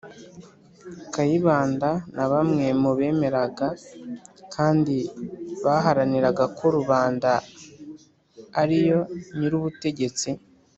kayibanda na bamwe mu bemeraga kandi baharaniraga ko rubanda ariyo nyir' ubutegetsi,